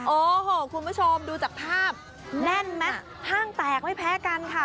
โอ้โหคุณผู้ชมดูจากภาพแน่นไหมห้างแตกไม่แพ้กันค่ะ